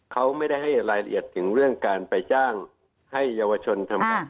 เขาไม่ได้ให้รายละเอียดถึงเรื่องการไปจ้างให้เยาวชนทำงาน